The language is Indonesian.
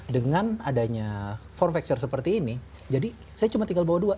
dengan adanya form facture seperti ini jadi saya cuma tinggal bawa dua